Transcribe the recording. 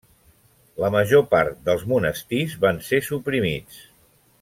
La major part dels monestirs van ser suprimits.